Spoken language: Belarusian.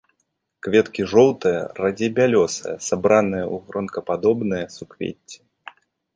Кветкі жоўтыя, радзей бялёсыя, сабраныя ў гронкападобныя суквецці.